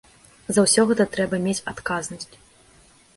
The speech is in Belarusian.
За ўсё гэта трэба мець адказнасць.